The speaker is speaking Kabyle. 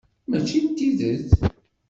Mačči n tidet.